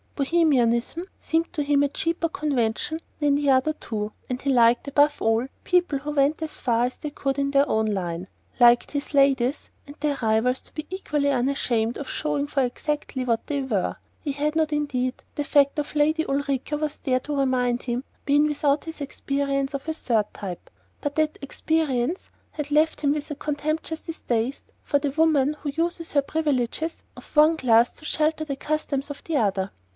"Bohemianism" seemed to him a cheaper convention than the other two, and he liked, above all, people who went as far as they could in their own line liked his "ladies" and their rivals to be equally unashamed of showing for exactly what they were. He had not indeed the fact of Lady Ulrica was there to remind him been without his experience of a third type; but that experience had left him with a contemptuous distaste for the woman who uses the privileges of one class to shelter the customs of another.